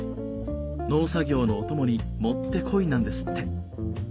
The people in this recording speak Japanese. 農作業のお供にもってこいなんですって。